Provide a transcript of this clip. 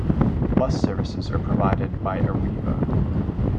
Bus services are provided by Arriva.